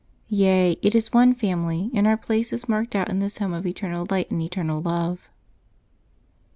Yea, it is one family; and our place is marked out in this home of eternal light and eternal love.